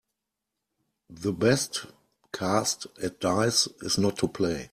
The best cast at dice is not to play.